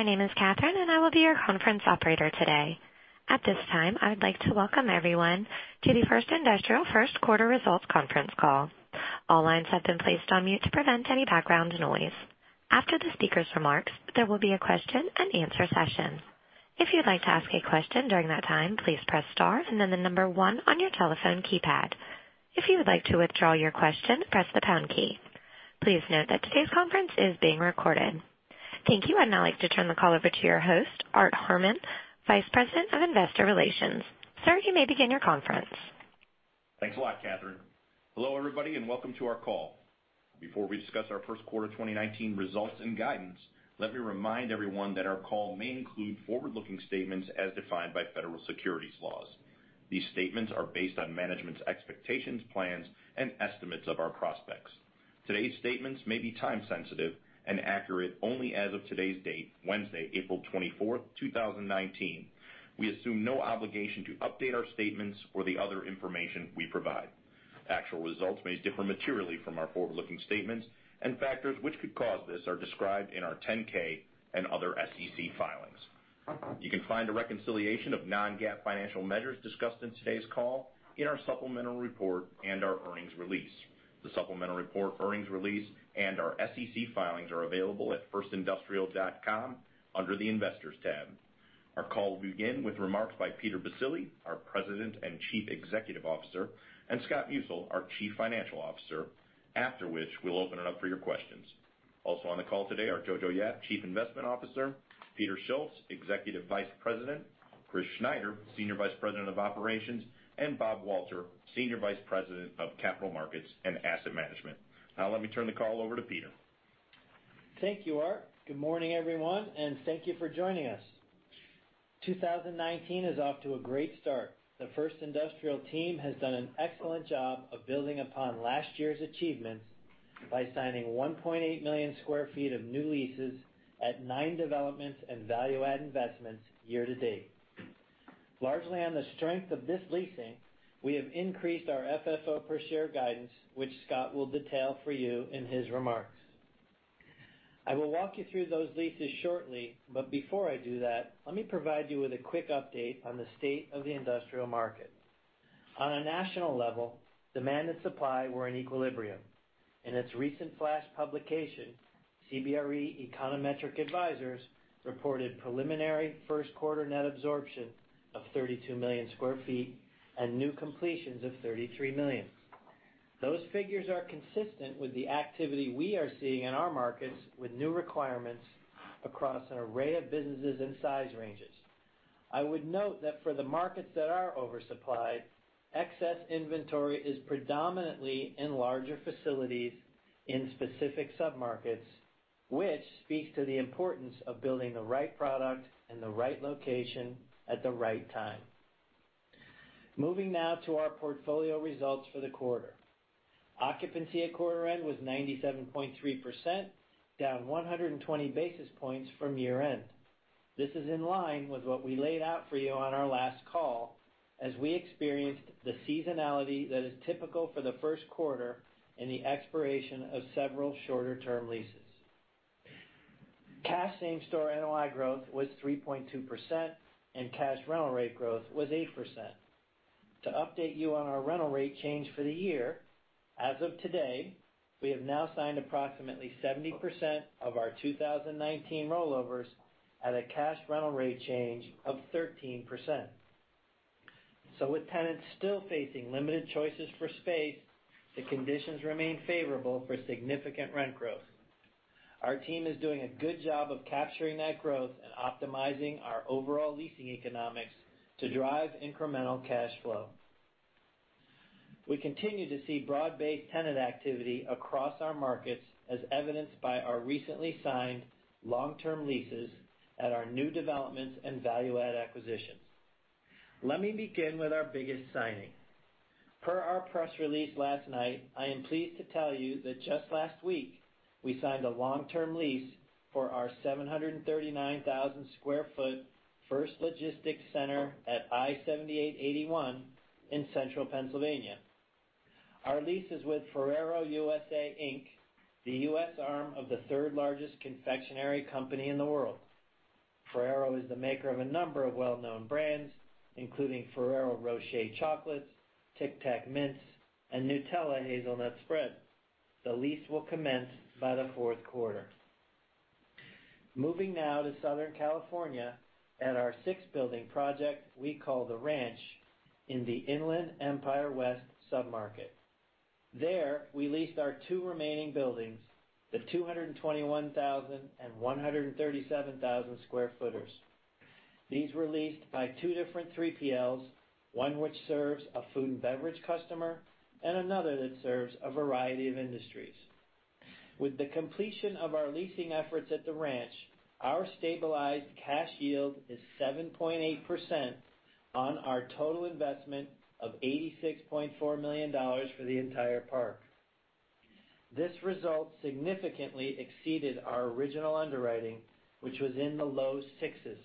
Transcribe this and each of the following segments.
My name is Catherine, and I will be your conference operator today. At this time, I'd like to welcome everyone to the First Industrial first quarter results conference call. All lines have been placed on mute to prevent any background noise. After the speaker's remarks, there will be a question and answer session. If you'd like to ask a question during that time, please press star and then the number one on your telephone keypad. If you would like to withdraw your question, press the pound key. Please note that today's conference is being recorded. Thank you. I'd now like to turn the call over to your host, Art Harmon, Vice President of Investor Relations. Sir, you may begin your conference. Thanks a lot, Catherine. Hello, everybody, and welcome to our call. Before we discuss our first quarter 2019 results and guidance, let me remind everyone that our call may include forward-looking statements as defined by federal securities laws. These statements are based on management's expectations, plans, and estimates of our prospects. Today's statements may be time sensitive and accurate only as of today's date, Wednesday, April 24th, 2019. We assume no obligation to update our statements or the other information we provide. Actual results may differ materially from our forward-looking statements, and factors which could cause this are described in our 10-K and other SEC filings. You can find a reconciliation of non-GAAP financial measures discussed in today's call in our supplemental report and our earnings release. The supplemental report, earnings release, and our SEC filings are available at firstindustrial.com under the Investors tab. Our call will begin with remarks by Peter Baccile, our President and Chief Executive Officer, and Scott Musil, our Chief Financial Officer, after which we'll open it up for your questions. Also on the call today are Jojo Yap, Chief Investment Officer, Peter Schultz, Executive Vice President, Chris Schneider, Executive Vice President of Operations, and Bob Walter, Executive Vice President of Capital Markets and Asset Management. Now, let me turn the call over to Peter. Thank you, Art. Good morning, everyone, and thank you for joining us. 2019 is off to a great start. The First Industrial team has done an excellent job of building upon last year's achievements by signing 1.8 million sq ft of new leases at nine developments and value-add investments year to date. Largely on the strength of this leasing, we have increased our FFO per share guidance, which Scott will detail for you in his remarks. I will walk you through those leases shortly, but before I do that, let me provide you with a quick update on the state of the industrial market. On a national level, demand and supply were in equilibrium. In its recent flash publication, CBRE Econometric Advisors reported preliminary first quarter net absorption of 32 million sq ft and new completions of 33 million. Those figures are consistent with the activity we are seeing in our markets, with new requirements across an array of businesses and size ranges. I would note that for the markets that are oversupplied, excess inventory is predominantly in larger facilities in specific submarkets, which speaks to the importance of building the right product in the right location at the right time. Moving now to our portfolio results for the quarter. Occupancy at quarter end was 97.3%, down 120 basis points from year end. This is in line with what we laid out for you on our last call as we experienced the seasonality that is typical for the first quarter and the expiration of several shorter-term leases. Cash same-store NOI growth was 3.2%, and cash rental rate growth was 8%. To update you on our rental rate change for the year, as of today, we have now signed approximately 70% of our 2019 rollovers at a cash rental rate change of 13%. With tenants still facing limited choices for space, the conditions remain favorable for significant rent growth. Our team is doing a good job of capturing that growth and optimizing our overall leasing economics to drive incremental cash flow. We continue to see broad-based tenant activity across our markets, as evidenced by our recently signed long-term leases at our new developments and value-add acquisitions. Let me begin with our biggest signing. Per our press release last night, I am pleased to tell you that just last week, we signed a long-term lease for our 739,000 square foot First Logistics Center at I-78/81 in Central Pennsylvania. Our lease is with Ferrero U.S.A., Inc., the U.S. arm of the third largest confectionery company in the world. Ferrero is the maker of a number of well-known brands, including Ferrero Rocher chocolates, Tic Tac mints, and Nutella hazelnut spread. The lease will commence by the fourth quarter. Moving now to Southern California at our six-building project we call The Ranch in the Inland Empire West submarket. There, we leased our two remaining buildings, the 221,000 and 137,000 square footers. These were leased by two different 3PLs, one which serves a food and beverage customer and another that serves a variety of industries. With the completion of our leasing efforts at The Ranch, our stabilized cash yield is 7.8% on our total investment of $86.4 million for the entire park. This result significantly exceeded our original underwriting, which was in the low sixes.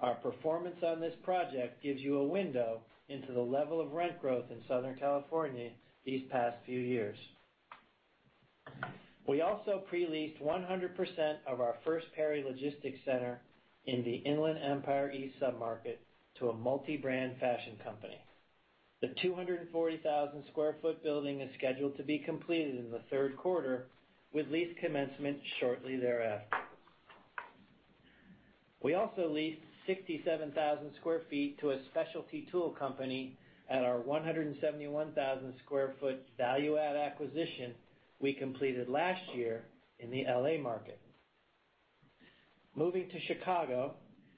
Our performance on this project gives you a window into the level of rent growth in Southern California these past few years. We also pre-leased 100% of our First Perry Logistics Center in the Inland Empire East submarket to a multi-brand fashion company. The 240,000 square foot building is scheduled to be completed in the third quarter, with lease commencement shortly thereafter. We also leased 67,000 square feet to a specialty tool company at our 171,000 square foot value add acquisition we completed last year in the L.A. market. Moving to Chicago,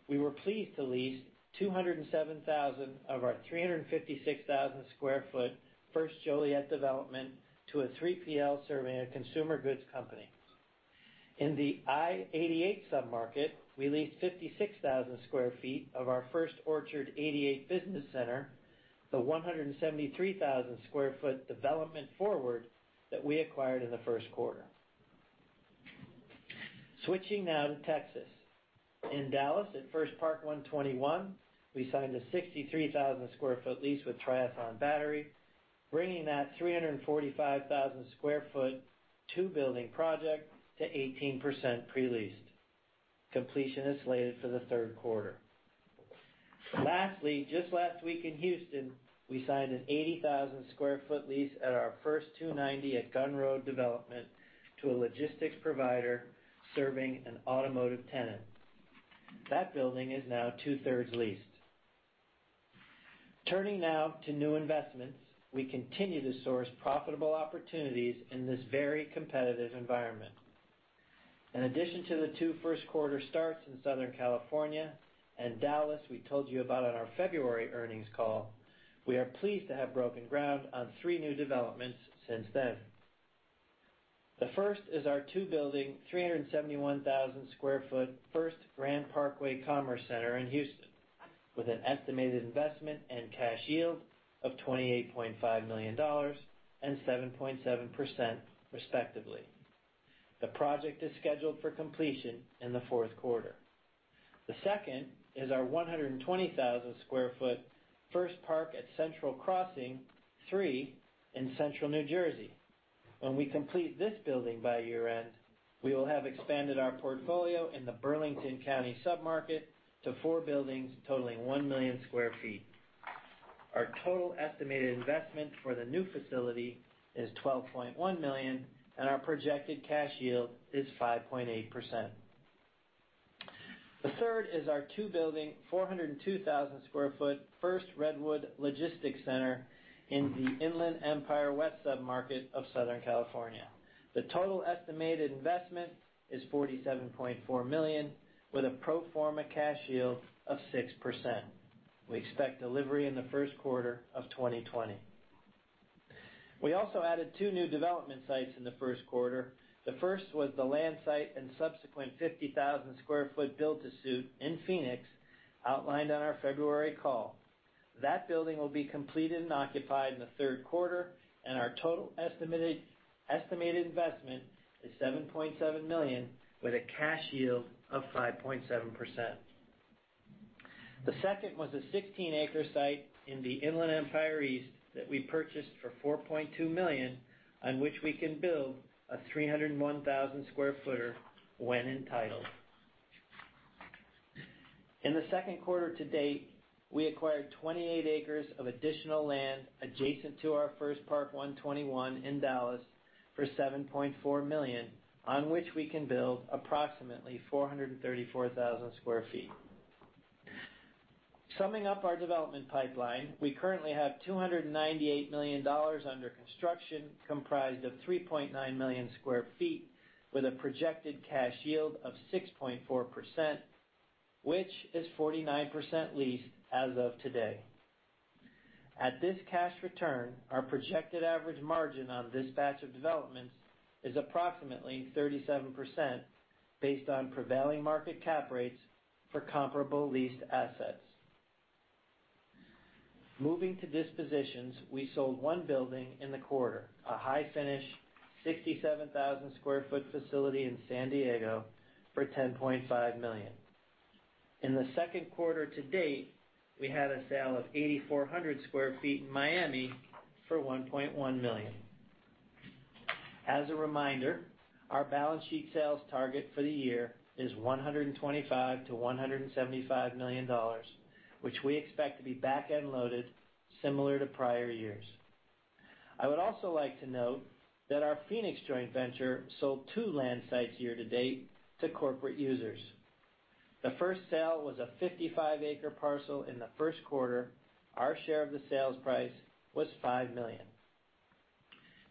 we were pleased to lease 207,000 of our 356,000 square foot First Joliet development to a 3PL serving a consumer goods company. In the I-88 submarket, we leased 56,000 sq ft of our First Orchard 88 Business Center, the 173,000 sq ft development that we acquired in the first quarter. Switching now to Texas. In Dallas, at First Park 121, we signed a 63,000 sq ft lease with Triathlon Battery, bringing that 345,000 sq ft two-building project to 18% pre-leased. Completion is slated for the third quarter. Lastly, just last week in Houston, we signed an 80,000 sq ft lease at our First 290 at Guhn Road development to a logistics provider serving an automotive tenant. That building is now two-thirds leased. Turning now to new investments. We continue to source profitable opportunities in this very competitive environment. In addition to the two first-quarter starts in Southern California and Dallas we told you about on our February earnings call, we are pleased to have broken ground on three new developments since then. The first is our two-building, 371,000 sq ft, First Grand Parkway Commerce Center in Houston, with an estimated investment and cash yield of $28.5 million and 7.7% respectively. The project is scheduled for completion in the fourth quarter. The second is our 120,000 sq ft First Park at Central Crossing 3 in Central New Jersey. When we complete this building by year-end, we will have expanded our portfolio in the Burlington County submarket to four buildings totaling 1 million sq ft. Our total estimated investment for the new facility is $12.1 million, and our projected cash yield is 5.8%. The third is our two-building, 402,000 sq ft, First Redwood Logistics Center in the Inland Empire West submarket of Southern California. The total estimated investment is $47.4 million, with a pro forma cash yield of 6%. We expect delivery in the first quarter of 2020. We also added two new development sites in the first quarter. The first was the land site and subsequent 50,000 sq ft build to suit in Phoenix outlined on our February call. That building will be completed and occupied in the third quarter, and our total estimated investment is $7.7 million with a cash yield of 5.7%. The second was a 16-acre site in the Inland Empire East that we purchased for $4.2 million, on which we can build a 301,000 sq ft when entitled. In the second quarter to date, we acquired 28 acres of additional land adjacent to our First Park 121 in Dallas for $7.4 million, on which we can build approximately 434,000 sq ft. Summing up our development pipeline, we currently have $298 million under construction, comprised of 3.9 million sq ft, with a projected cash yield of 6.4%, which is 49% leased as of today. At this cash return, our projected average margin on this batch of developments is approximately 37%, based on prevailing market cap rates for comparable leased assets. Moving to dispositions, we sold one building in the quarter, a high-finish 67,000 sq ft facility in San Diego for $10.5 million. In the second quarter to date, we had a sale of 8,400 sq ft in Miami for $1.1 million. As a reminder, our balance sheet sales target for the year is $125 million-$175 million, which we expect to be back-end loaded, similar to prior years. I would also like to note that our Phoenix joint venture sold two land sites year to date to corporate users. The first sale was a 55-acre parcel in the first quarter. Our share of the sales price was $5 million.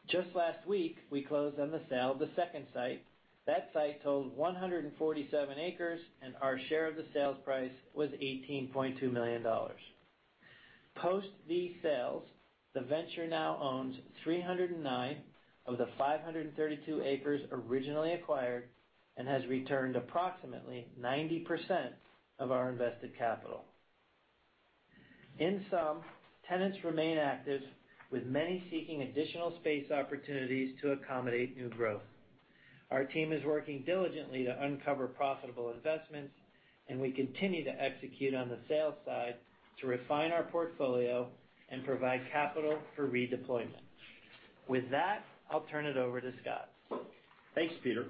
Just last week, we closed on the sale of the second site. That site totals 147 acres, and our share of the sales price was $18.2 million. Post these sales, the venture now owns 309 of the 532 acres originally acquired and has returned approximately 90% of our invested capital. Tenants remain active with many seeking additional space opportunities to accommodate new growth. Our team is working diligently to uncover profitable investments, and we continue to execute on the sales side to refine our portfolio and provide capital for redeployment. With that, I'll turn it over to Scott. Thanks, Peter.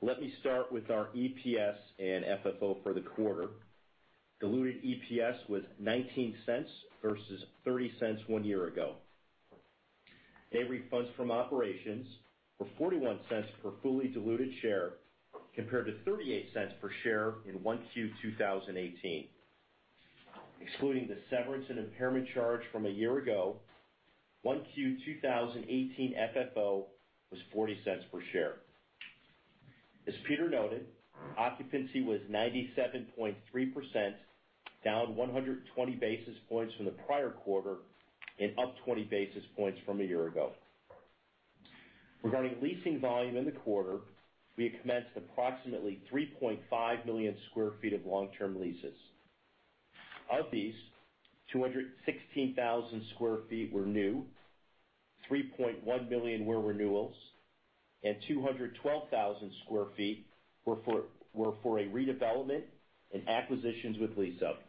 Let me start with our EPS and FFO for the quarter. Diluted EPS was $0.19 versus $0.30 one year ago. Diluted funds from operations were $0.41 per fully diluted share, compared to $0.38 per share in 1Q 2018. Excluding the severance and impairment charge from a year ago, 1Q 2018 FFO was $0.40 per share. As Peter noted, occupancy was 97.3%, down 120 basis points from the prior quarter and up 20 basis points from a year ago. Regarding leasing volume in the quarter, we commenced approximately 3.5 million square feet of long-term leases. Of these, 216,000 square feet were new, 3.1 million square feet were renewals, and 212,000 square feet were for a redevelopment and acquisitions with lease up.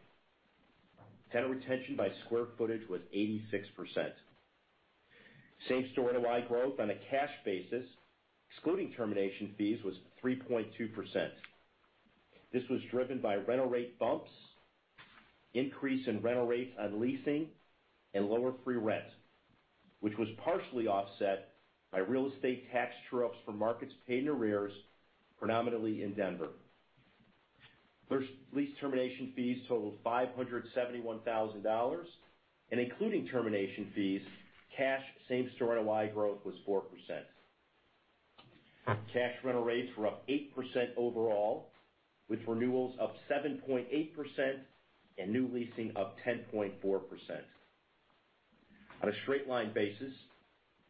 Tenant retention by square footage was 86%. Same-store NOI growth on a cash basis, excluding termination fees, was 3.2%. This was driven by rental rate bumps, increase in rental rates on leasing, and lower free rent, which was partially offset by real estate tax true-ups for markets paid in arrears, predominantly in Denver. Lease termination fees totaled $571,000, and including termination fees, cash same-store NOI growth was 4%. Cash rental rates were up 8% overall, with renewals up 7.8% and new leasing up 10.4%. On a straight line basis,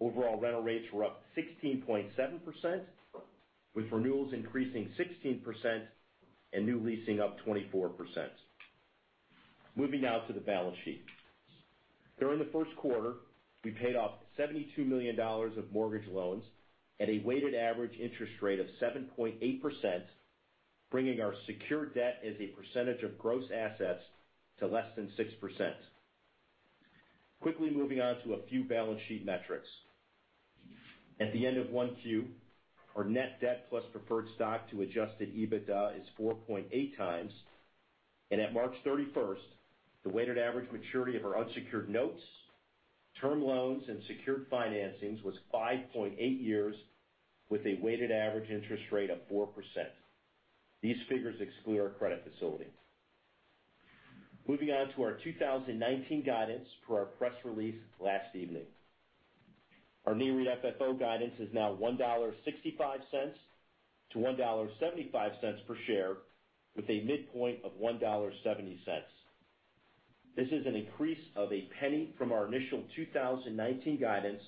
overall rental rates were up 16.7%, with renewals increasing 16% and new leasing up 24%. Moving now to the balance sheet. During the first quarter, we paid off $72 million of mortgage loans at a weighted average interest rate of 7.8%, bringing our secure debt as a percentage of gross assets to less than 6%. Quickly moving on to a few balance sheet metrics. At the end of 1Q, our net debt plus preferred stock to adjusted EBITDA is 4.8 times. At March 31st, the weighted average maturity of our unsecured notes, term loans, and secured financings was 5.8 years with a weighted average interest rate of 4%. These figures exclude our credit facility. Moving on to our 2019 guidance per our press release last evening. Our new REIT FFO guidance is now $1.65 to $1.75 per share, with a midpoint of $1.70. This is an increase of $0.01 from our initial 2019 guidance,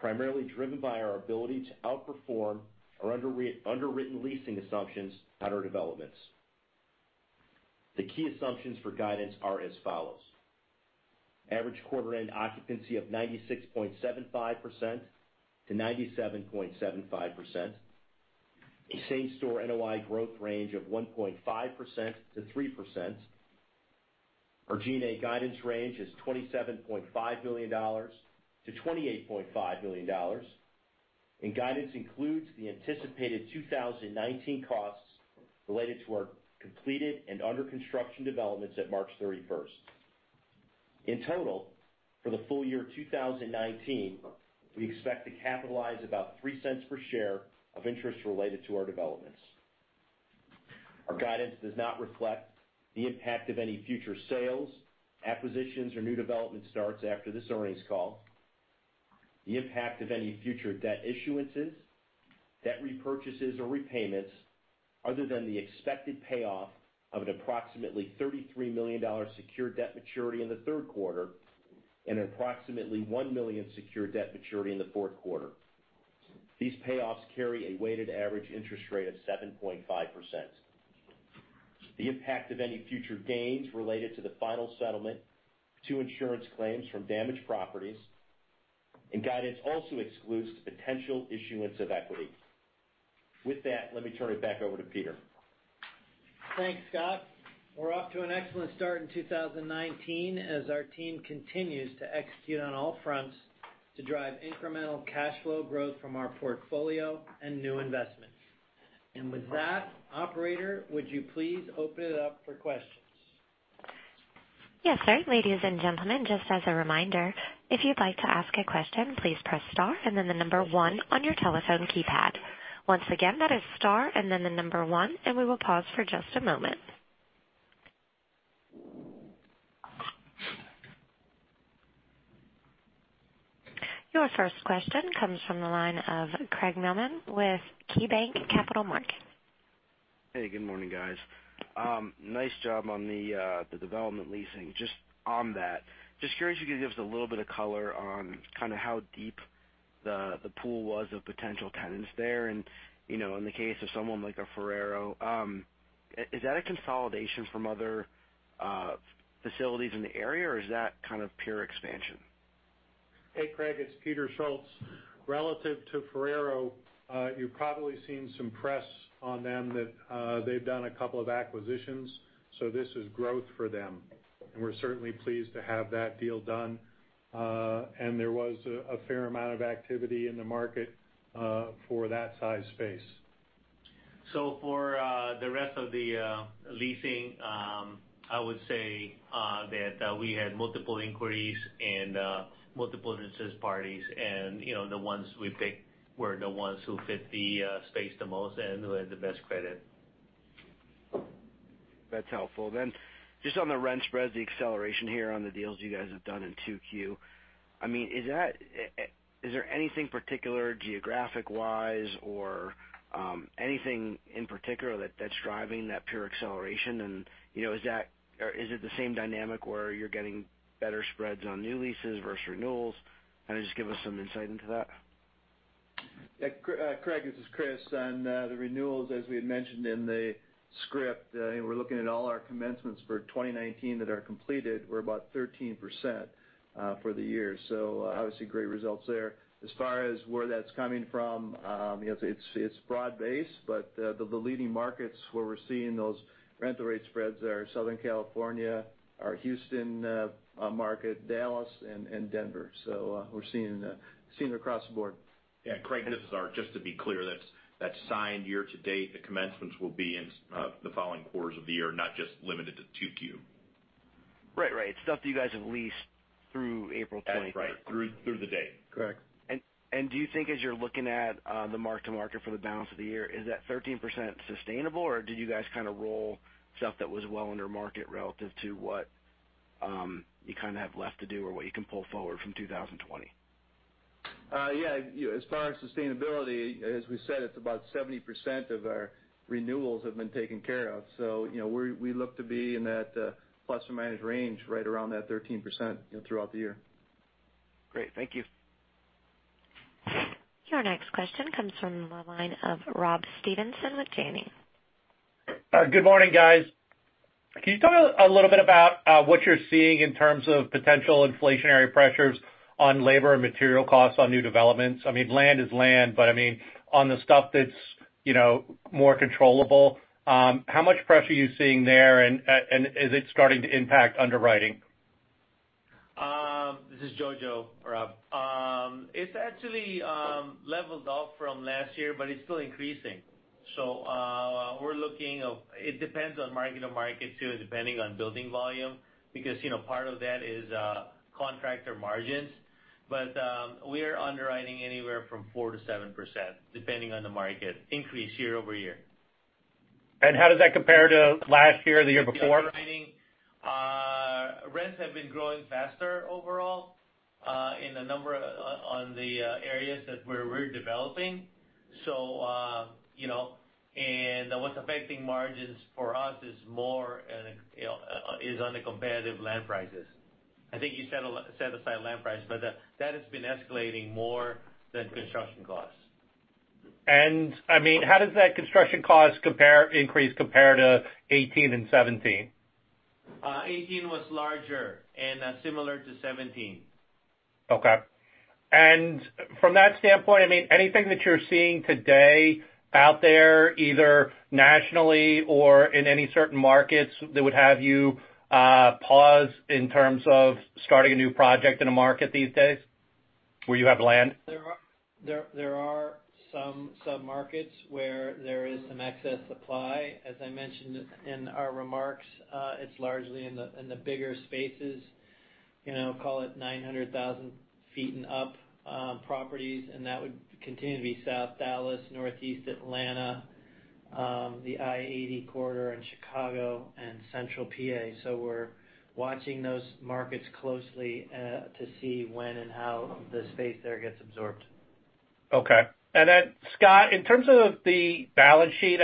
primarily driven by our ability to outperform our underwritten leasing assumptions at our developments. The key assumptions for guidance are as follows. Average quarter-end occupancy of 96.75%-97.75%. A same-store NOI growth range of 1.5%-3%. Our G&A guidance range is $27.5 million-$28.5 million. Guidance includes the anticipated 2019 costs related to our completed and under-construction developments at March 31st. In total, for the full year 2019, we expect to capitalize about $0.03 per share of interest related to our developments. Our guidance does not reflect the impact of any future sales, acquisitions, or new development starts after this earnings call. The impact of any future debt issuances, debt repurchases, or repayments, other than the expected payoff of an approximately $33 million secure debt maturity in the third quarter, and an approximately $1 million secure debt maturity in the fourth quarter. These payoffs carry a weighted average interest rate of 7.5%. The impact of any future gains related to the final settlement to insurance claims from damaged properties. Guidance also excludes potential issuance of equity. With that, let me turn it back over to Peter. Thanks, Scott. We're off to an excellent start in 2019 as our team continues to execute on all fronts to drive incremental cash flow growth from our portfolio and new investments. With that, operator, would you please open it up for questions? Yes, sir. Ladies and gentlemen, just as a reminder, if you'd like to ask a question, please press star and then the number on your telephone keypad. Once again, that is star and then the number one. We will pause for just a moment. Your first question comes from the line of Craig Mailman with KeyBanc Capital Markets. Hey, good morning, guys. Nice job on the development leasing. Just curious if you could give us a little bit of color on how deep the pool was of potential tenants there. In the case of someone like a Ferrero, is that a consolidation from other facilities in the area, or is that pure expansion? Hey, Craig. It's Peter Schultz. Relative to Ferrero, you've probably seen some press on them that they've done a couple of acquisitions. This is growth for them. We're certainly pleased to have that deal done. There was a fair amount of activity in the market for that size space. For the rest of the leasing, I would say that we had multiple inquiries and multiple business parties and the ones we picked were the ones who fit the space the most and who had the best credit. That's helpful. Just on the rent spreads, the acceleration here on the deals you guys have done in 2Q. Is there anything particular geographic-wise or anything in particular that's driving that pure acceleration and, is it the same dynamic where you're getting better spreads on new leases versus renewals? Kind of just give us some insight into that. Craig, this is Chris. On the renewals, as we had mentioned in the script, we're looking at all our commencements for 2019 that are completed. We're about 13% for the year. Obviously great results there. As far as where that's coming from, it's broad-based, but the leading markets where we're seeing those rental rate spreads are Southern California, our Houston market, Dallas, and Denver. We're seeing it across the board. Craig, this is Art. Just to be clear, that's signed year-to-date. The commencements will be in the following quarters of the year, not just limited to 2Q. Right. It's stuff that you guys have leased through April 20- That's right. Through the date. Correct. Do you think as you're looking at the mark-to-market for the balance of the year, is that 13% sustainable, or did you guys kind of roll stuff that was well under market relative to what you kind of have left to do or what you can pull forward from 2020? Yeah. As far as sustainability, as we said, it's about 70% of our renewals have been taken care of. We look to be in that plus or minus range, right around that 13% throughout the year. Great. Thank you. Your next question comes from the line of Rob Stevenson with Janney. Good morning, guys. Can you talk a little bit about what you're seeing in terms of potential inflationary pressures on labor and material costs on new developments? Land is land. On the stuff that's more controllable, how much pressure are you seeing there, and is it starting to impact underwriting? This is Jojo, Rob. It's actually leveled off from last year. It's still increasing. We're looking. It depends on market to market too, depending on building volume, because part of that is contractor margins. We're underwriting anywhere from 4% to 7%, depending on the market increase year-over-year. How does that compare to last year or the year before? Rents have been growing faster overall, in a number on the areas that we're developing. What's affecting margins for us is more on the competitive land prices. I think you set aside land price. That has been escalating more than construction costs. How does that construction cost increase compare to 2018 and 2017? 2018 was larger, similar to 2017. Okay. From that standpoint, anything that you're seeing today out there, either nationally or in any certain markets that would have you pause in terms of starting a new project in a market these days where you have land? There are some submarkets where there is some excess supply. As I mentioned in our remarks, it's largely in the bigger spaces. Call it 900,000 feet and up properties, that would continue to be South Dallas, Northeast Atlanta, the I-80 corridor in Chicago, and Central P.A. We're watching those markets closely to see when and how the space there gets absorbed. Okay. Scott, in terms of the balance sheet.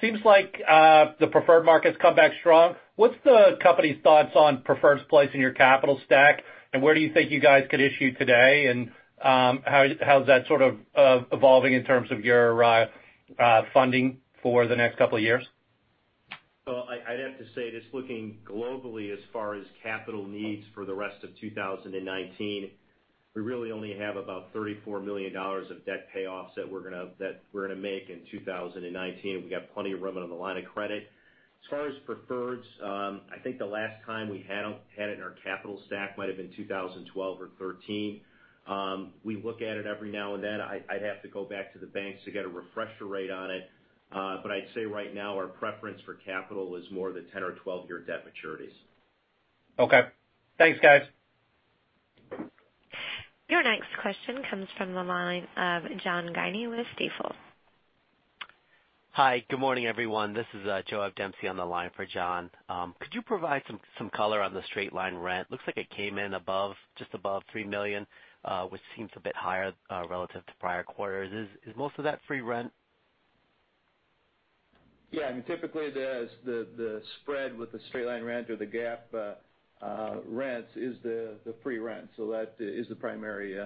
Seems like the preferred market's come back strong. What's the company's thoughts on preferred's place in your capital stack, and where do you think you guys could issue today, and how's that sort of evolving in terms of your funding for the next couple of years? I'd have to say, just looking globally as far as capital needs for the rest of 2019, we really only have about $34 million of debt payoffs that we're going to make in 2019. We got plenty of room on the line of credit. As far as preferreds, I think the last time we had it in our capital stack might've been 2012 or 2013. We look at it every now and then. I'd have to go back to the banks to get a refresher rate on it. I'd say right now our preference for capital is more the 10 or 12-year debt maturities. Okay. Thanks, guys. Your next question comes from the line of John Guiney with Stifel. Hi, good morning, everyone. This is Joe Dempsey on the line for John. Could you provide some color on the straight-line rent? Looks like it came in just above $3 million, which seems a bit higher relative to prior quarters. Is most of that free rent? Yeah. Typically, the spread with the straight-line rent or the gap rents is the free rent. That is the primary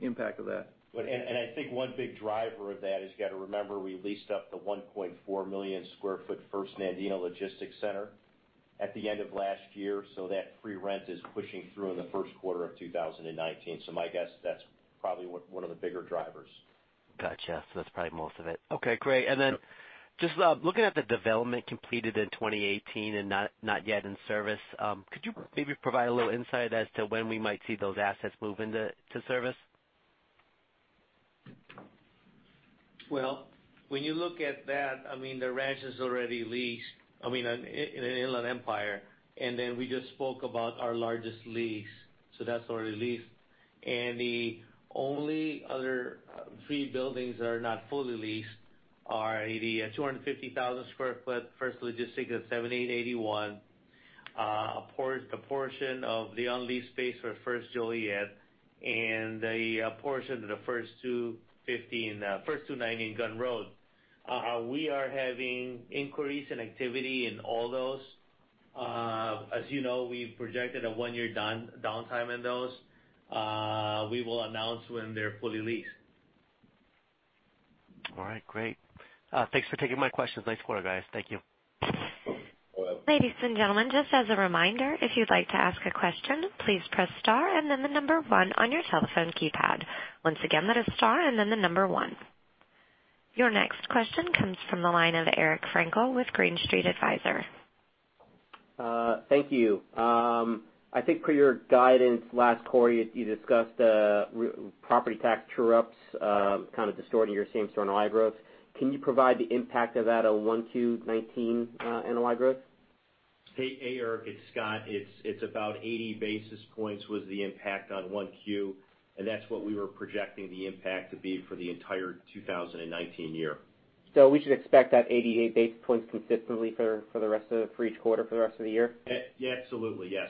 impact of that. I think one big driver of that is you got to remember, we leased up the 1.4-million-square-foot First Nandina Logistics Center at the end of last year. That free rent is pushing through in the first quarter of 2019. My guess is that's probably one of the bigger drivers. Got you. That's probably most of it. Okay, great. Then just looking at the development completed in 2018 and not yet in service, could you maybe provide a little insight as to when we might see those assets move into service? When you look at that, The Ranch is already leased in Inland Empire, we just spoke about our largest lease, that's already leased. The only other three buildings that are not fully leased are the 250,000 sq ft First Logistics at I-78/81, a portion of the unleased space for First Joliet, and a portion of the First 290 at Guhn Road. We are having inquiries and activity in all those. As you know, we've projected a one-year downtime in those. We will announce when they're fully leased. Great. Thanks for taking my questions. Nice quarter, guys. Thank you. You're welcome. Ladies and gentlemen, just as a reminder, if you'd like to ask a question, please press star and then the number one on your telephone keypad. Once again, that is star and then the number one. Your next question comes from the line of Eric Frankel with Green Street Advisors. Thank you. I think per your guidance last quarter, you discussed property tax true-ups kind of distorting your same-store NOI growth. Can you provide the impact of that on 1Q19 NOI growth? Hey, Eric, it's Scott. That's about 80 basis points was the impact on 1Q, and that's what we were projecting the impact to be for the entire 2019 year. We should expect that 80 basis points consistently for each quarter for the rest of the year? Absolutely, yes.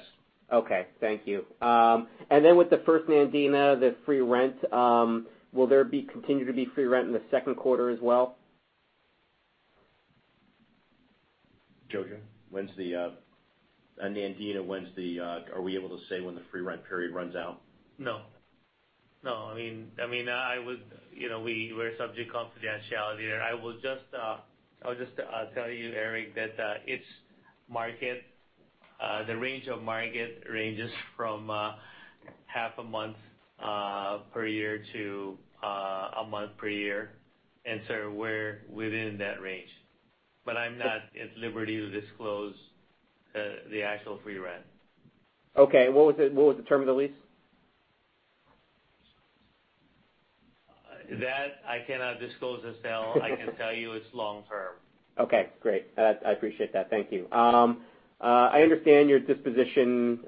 Okay. Thank you. With the First Nandina, the free rent, will there continue to be free rent in the second quarter as well? Jojo, on Nandina, are we able to say when the free rent period runs out? No. We're subject to confidentiality there. I will just tell you, Eric, that the range of market ranges from half a month per year to a month per year, we're within that range. I'm not at liberty to disclose the actual free rent. Okay. What was the term of the lease? That I cannot disclose as well. I can tell you it's long-term. Okay, great. I appreciate that. Thank you. I understand your disposition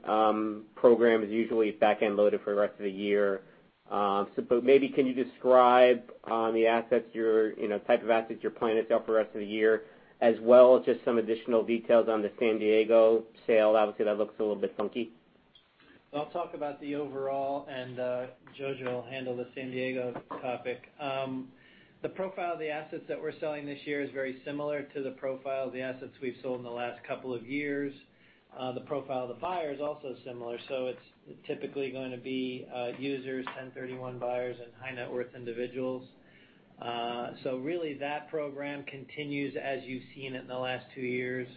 program is usually back-end loaded for the rest of the year. Maybe can you describe the type of assets you're planning to sell for the rest of the year, as well as just some additional details on the San Diego sale? Obviously, that looks a little bit funky. I'll talk about the overall, and Jojo will handle the San Diego topic. The profile of the assets that we're selling this year is very similar to the profile of the assets we've sold in the last couple of years. The profile of the buyer is also similar, it's typically going to be users, 1031 buyers, and high-net-worth individuals. Really, that program continues as you've seen it in the last two years.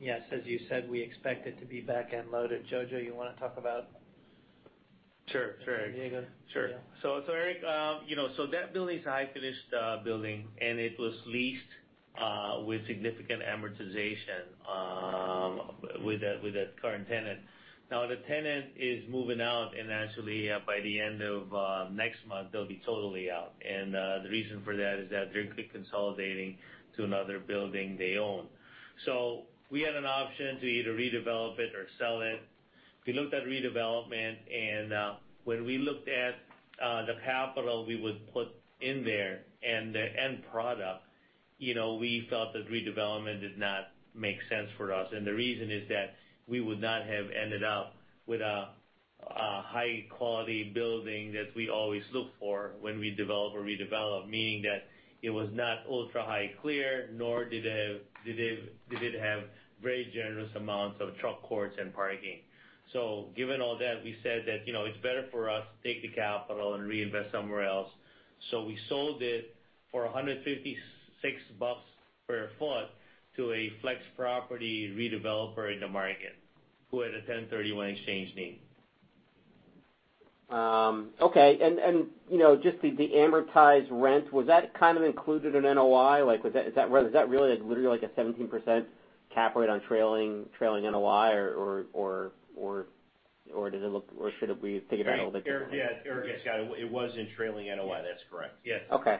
Yes, as you said, we expect it to be back-end loaded. Jojo, you want to talk about- Sure. San Diego? Eric, that building's a high-finished building. It was leased with significant amortization with a current tenant. The tenant is moving out, and actually, by the end of next month, they'll be totally out. The reason for that is that they're consolidating to another building they own. We had an option to either redevelop it or sell it. We looked at redevelopment, and when we looked at the capital we would put in there and the end product, we felt that redevelopment did not make sense for us. The reason is that we would not have ended up with a high-quality building that we always look for when we develop or redevelop, meaning that it was not ultra-high clear, nor did it have very generous amounts of truck courts and parking. Given all that, we said that it's better for us to take the capital and reinvest somewhere else. We sold it for $156 per foot to a flex property redeveloper in the market who had a 1031 exchange need. Okay. Just the amortized rent, was that kind of included in NOI? Was that really literally like a 17% cap rate on trailing NOI, or should we think about it a little differently? Eric, yeah. It was in trailing NOI. That's correct. Yes. Okay.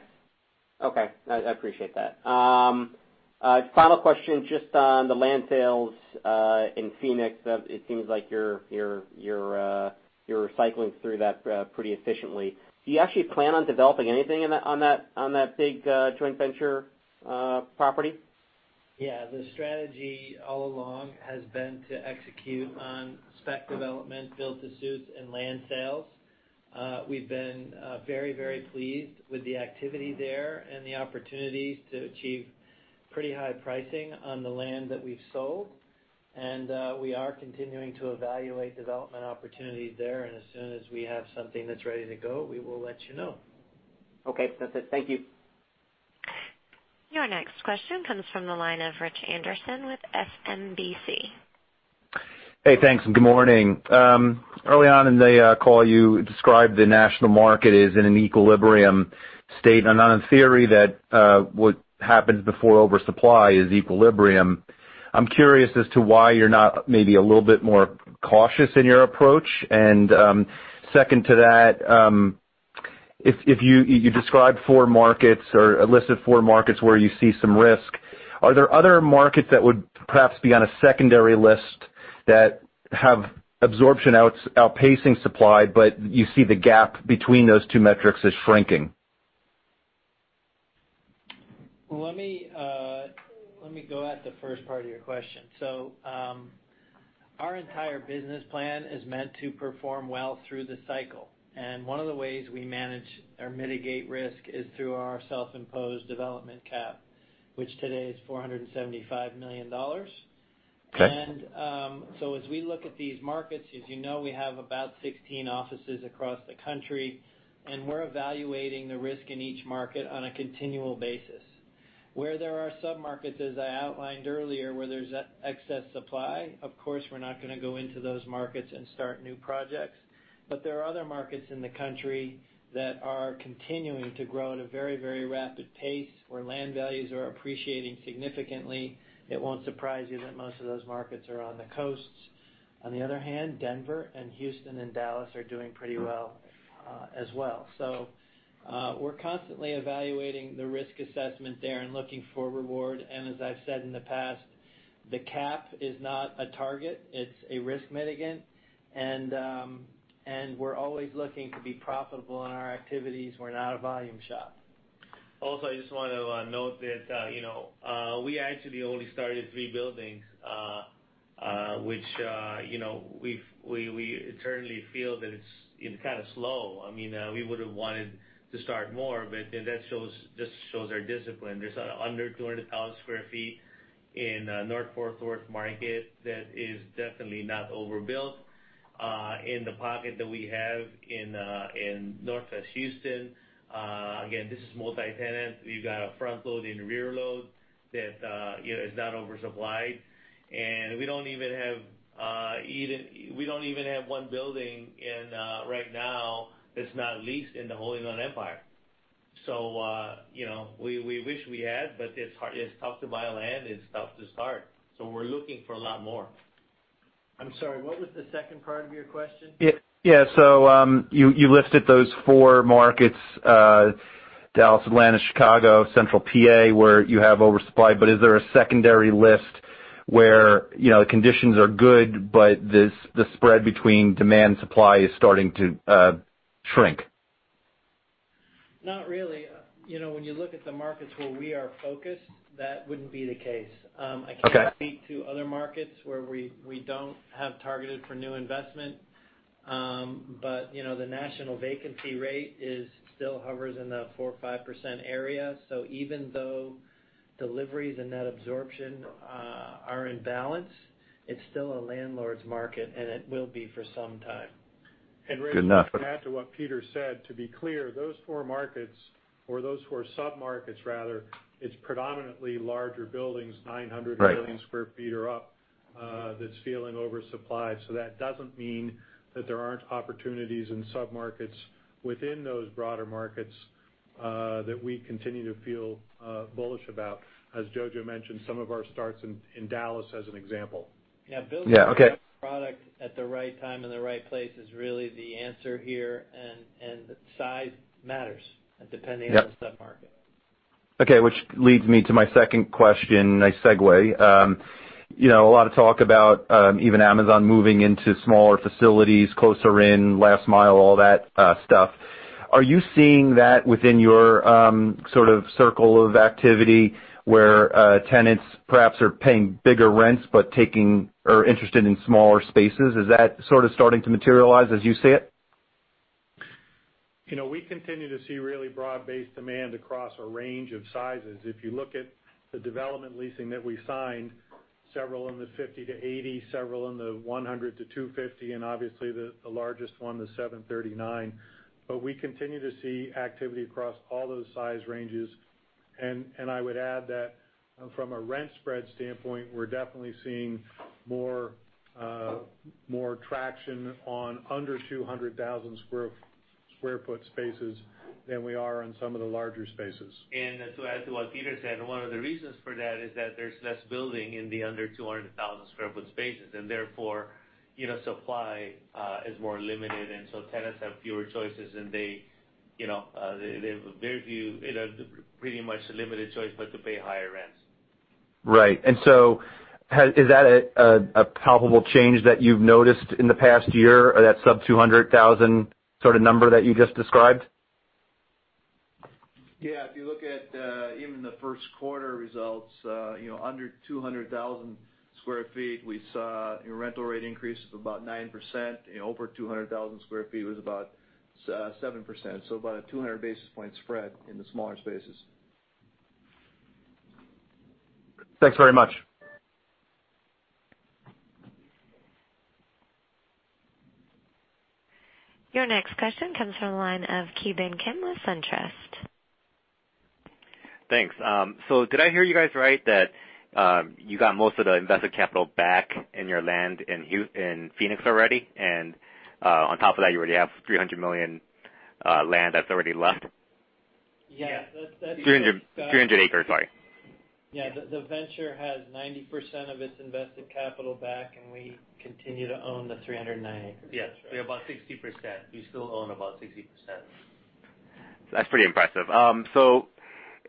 I appreciate that. Final question, just on the land sales in Phoenix, it seems like you're cycling through that pretty efficiently. Do you actually plan on developing anything on that big joint venture property? Yeah. The strategy all along has been to execute on spec development, build to suits, and land sales. We've been very pleased with the activity there and the opportunities to achieve pretty high pricing on the land that we've sold. We are continuing to evaluate development opportunities there, and as soon as we have something that's ready to go, we will let you know. Okay. That's it. Thank you. Your next question comes from the line of Richard Anderson with SMBC. Hey, thanks, and good morning. Early on in the call, you described the national market is in an equilibrium state, and on a theory that what happens before oversupply is equilibrium. I'm curious as to why you're not maybe a little bit more cautious in your approach. Second to that, you described 4 markets or listed 4 markets where you see some risk. Are there other markets that would perhaps be on a secondary list that have absorption outpacing supply, but you see the gap between those two metrics is shrinking? Let me go at the first part of your question. Our entire business plan is meant to perform well through the cycle. One of the ways we manage or mitigate risk is through our self-imposed development cap, which today is $475 million. Okay. As we look at these markets, as you know, we have about 16 offices across the country, and we're evaluating the risk in each market on a continual basis. Where there are sub-markets, as I outlined earlier, where there's excess supply, of course, we're not going to go into those markets and start new projects. There are other markets in the country that are continuing to grow at a very rapid pace, where land values are appreciating significantly. It won't surprise you that most of those markets are on the coasts. On the other hand, Denver and Houston and Dallas are doing pretty well as well. We're constantly evaluating the risk assessment there and looking for reward. As I've said in the past, the cap is not a target, it's a risk mitigant. We're always looking to be profitable in our activities. We're not a volume shop. I just want to note that we actually only started three buildings, which we internally feel that it's kind of slow. We would've wanted to start more, but that just shows our discipline. There's under 200,000 sq ft in North Fort Worth market that is definitely not overbuilt. In the pocket that we have in Northwest Houston, again, this is multi-tenant. We've got a front load and rear load that is not oversupplied. We don't even have one building in right now that's not leased in the Inland Empire. We wish we had, but it's tough to buy land, it's tough to start. We're looking for a lot more. I'm sorry, what was the second part of your question? Yeah. You listed those four markets, Dallas, Atlanta, Chicago, Central PA, where you have oversupply. Is there a secondary list where the conditions are good but the spread between demand, supply is starting to shrink? Not really. When you look at the markets where we are focused, that wouldn't be the case. Okay. I can't speak to other markets where we don't have targeted for new investment. The national vacancy rate still hovers in the 4% or 5% area. Even though deliveries and net absorption are in balance, it's still a landlord's market, and it will be for some time. Good enough. Rich, to add to what Peter said, to be clear, those four markets, or those four sub-markets rather, it's predominantly larger buildings, 900,000 square feet or up, that's feeling oversupplied. That doesn't mean that there aren't opportunities in sub-markets within those broader markets that we continue to feel bullish about. As Jojo mentioned, some of our starts in Dallas as an example. Yeah, building- Yeah, okay the right product at the right time and the right place is really the answer here, and size matters depending- Yep on the sub-market. Okay, which leads me to my second question, a nice segue. A lot of talk about even Amazon moving into smaller facilities, closer in, last mile, all that stuff. Are you seeing that within your circle of activity, where tenants perhaps are paying bigger rents but taking or interested in smaller spaces? Is that starting to materialize as you see it? We continue to see really broad-based demand across a range of sizes. If you look at the development leasing that we signed, several in the 50-80, several in the 100-250, and obviously the largest one, the 739. We continue to see activity across all those size ranges. I would add that from a rent spread standpoint, we're definitely seeing more traction on under 200,000 square foot spaces than we are on some of the larger spaces. To add to what Peter said, one of the reasons for that is that there's less building in the under 200,000 square foot spaces. Therefore, supply is more limited. Tenants have fewer choices, and their view, they pretty much are limited choice but to pay higher rents. Right. Is that a palpable change that you've noticed in the past year, that sub-200,000 sort of number that you just described? Yeah. If you look at even the first quarter results, under 200,000 square feet, we saw rental rate increases of about 9%. Over 200,000 square feet was about 7%. About a 200 basis point spread in the smaller spaces. Thanks very much. Your next question comes from the line of Ki Bin Kim with SunTrust. Thanks. Did I hear you guys right that you got most of the invested capital back in your land in Phoenix already? And, on top of that, you already have $300 million land that's already left? Yeah. 300 acres, sorry. Yeah. The venture has 90% of its invested capital back, and we continue to own the 309 acres. Yes. We have about 60%. We still own about 60%. That's pretty impressive.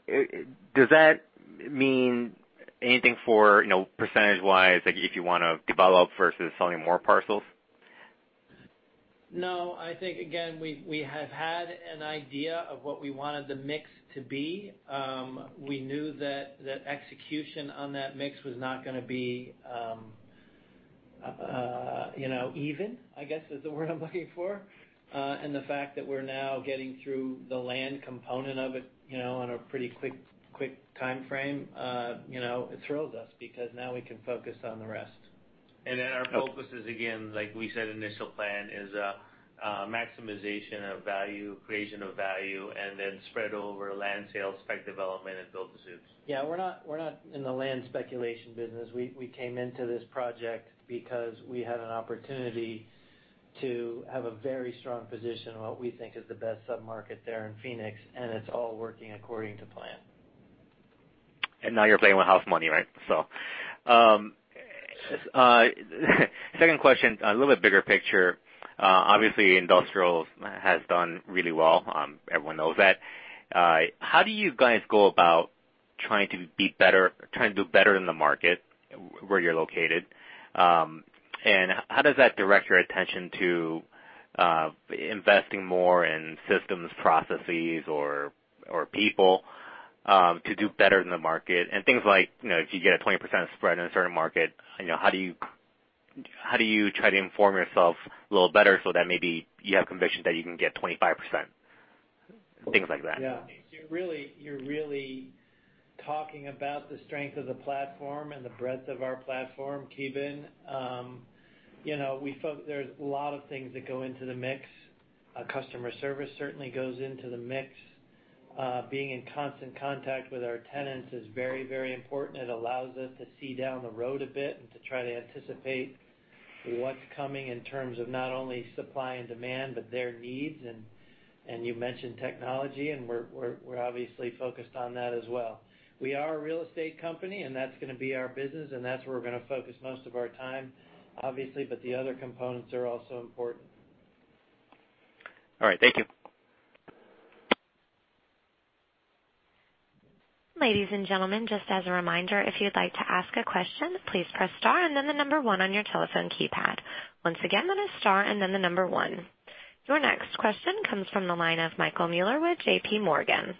Does that mean anything for percentage-wise, if you want to develop versus selling more parcels? No. I think, again, we have had an idea of what we wanted the mix to be. We knew that execution on that mix was not going to be even, I guess, is the word I'm looking for. The fact that we're now getting through the land component of it in a pretty quick timeframe thrills us because now we can focus on the rest. Our focus is, again, like we said, initial plan is maximization of value, creation of value, spread over land sales, spec development, and build-to-suits. Yeah. We're not in the land speculation business. We came into this project because we had an opportunity to have a very strong position in what we think is the best sub-market there in Phoenix, and it's all working according to plan. Now you're playing with house money, right? Second question, a little bit bigger picture. Obviously, industrial has done really well. Everyone knows that. How do you guys go about trying to do better in the market where you're located? How does that direct your attention to investing more in systems, processes, or people to do better than the market? Things like, if you get a 20% spread in a certain market, how do you try to inform yourself a little better so that maybe you have conviction that you can get 25%? Things like that. Yeah. You're really talking about the strength of the platform and the breadth of our platform, Ki Bin. There's a lot of things that go into the mix. Customer service certainly goes into the mix. Being in constant contact with our tenants is very important. It allows us to see down the road a bit and to try to anticipate what's coming in terms of not only supply and demand, but their needs. You mentioned technology, and we're obviously focused on that as well. We are a real estate company, and that's going to be our business, and that's where we're going to focus most of our time, obviously. The other components are also important. All right. Thank you. Ladies and gentlemen, just as a reminder, if you'd like to ask a question, please press star and then the number 1 on your telephone keypad. Once again, that is star and then the number 1. Your next question comes from the line of Michael Mueller with JPMorgan.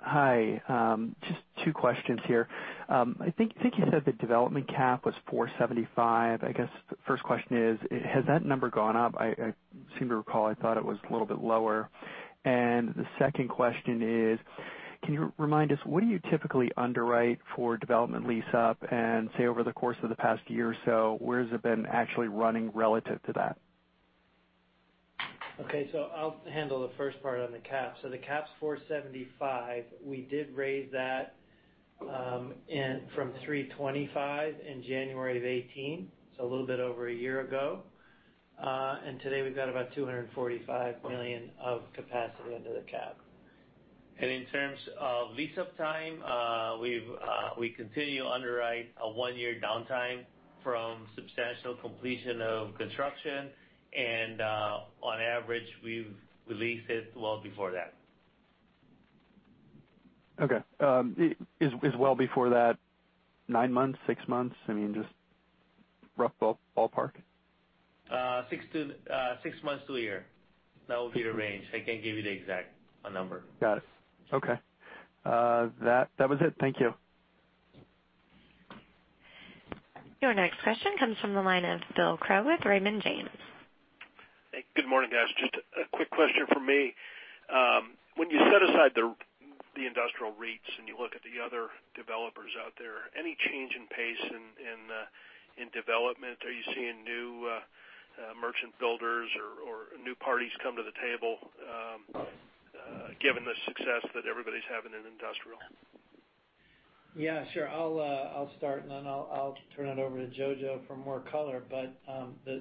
Hi. Just 2 questions here. I think you said the development cap was 475. I guess the first question is, has that number gone up? I seem to recall, I thought it was a little bit lower. The second question is, can you remind us what do you typically underwrite for development lease-up and say, over the course of the past year or so, where has it been actually running relative to that? I'll handle the first part on the cap. The cap's $475. We did raise that from $325 in January of 2018, a little bit over a year ago. Today, we've got about $245 million of capacity under the cap. In terms of lease-up time, we continue to underwrite a one-year downtime from substantial completion of construction. On average, we've leased it well before that. Okay. Is well before that nine months, six months? I mean, just rough ballpark. Six months to a year. That would be the range. I can't give you the exact number. Got it. Okay. That was it. Thank you. Your next question comes from the line of Bill Crow with Raymond James. Hey, good morning, guys. Just a quick question from me. When you set aside the industrial REITs and you look at the other developers out there, any change in pace in development? Are you seeing new merchant builders or new parties come to the table given the success that everybody's having in industrial? Yeah, sure. I'll start, and then I'll turn it over to Jojo Yap for more color.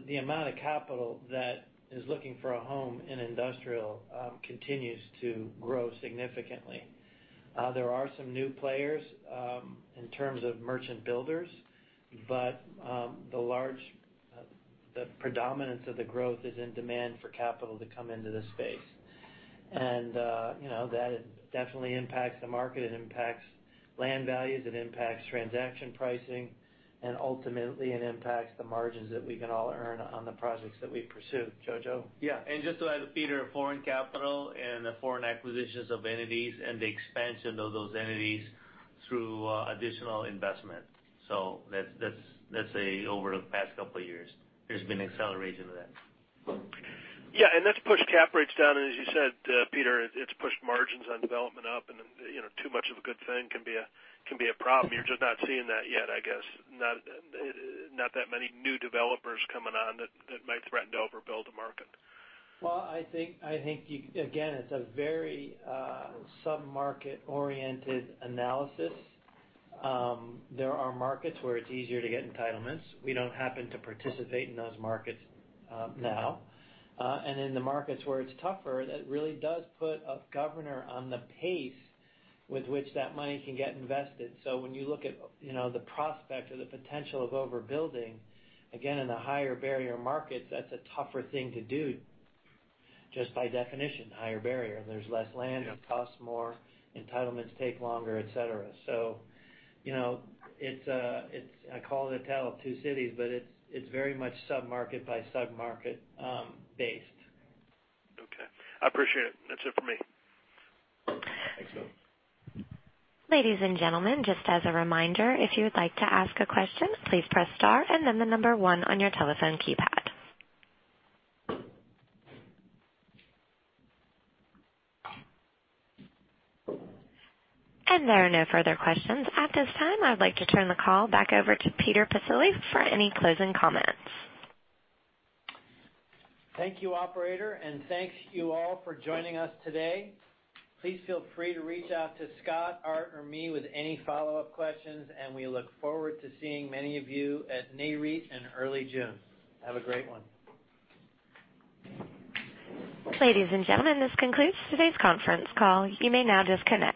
The amount of capital that is looking for a home in industrial continues to grow significantly. There are some new players in terms of merchant builders, but the predominance of the growth is in demand for capital to come into the space. That definitely impacts the market. It impacts land values, it impacts transaction pricing, and ultimately it impacts the margins that we can all earn on the projects that we pursue. Jojo? Yeah. Just to add to Peter, foreign capital and the foreign acquisitions of entities and the expansion of those entities Through additional investment. That's over the past couple of years, there's been acceleration of that. Yeah. That's pushed cap rates down, and as you said, Peter, it's pushed margins on development up and too much of a good thing can be a problem. You're just not seeing that yet, I guess. Not that many new developers coming on that might threaten to overbuild a market. Well, I think, again, it's a very sub-market-oriented analysis. There are markets where it's easier to get entitlements. We don't happen to participate in those markets now. In the markets where it's tougher, that really does put a governor on the pace with which that money can get invested. When you look at the prospect or the potential of overbuilding, again, in the higher barrier markets, that's a tougher thing to do just by definition, higher barrier. There's less land. Yeah It costs more, entitlements take longer, et cetera. I call it a tale of two cities, but it's very much sub-market by sub-market based. Okay. I appreciate it. That's it for me. Thanks, Bill. Ladies and gentlemen, just as a reminder, if you would like to ask a question, please press star and then the number one on your telephone keypad. There are no further questions. At this time, I'd like to turn the call back over to Peter Baccile for any closing comments. Thank you, operator, and thanks you all for joining us today. Please feel free to reach out to Scott, Art, or me with any follow-up questions, and we look forward to seeing many of you at Nareit in early June. Have a great one. Ladies and gentlemen, this concludes today's conference call. You may now disconnect.